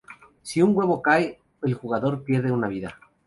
Si un huevo cae, el jugador pierde una vida.